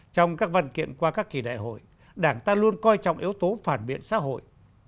trong các văn kiện qua các kỳ đại hội đảng ta luôn coi trọng yếu tố phản biện xã hội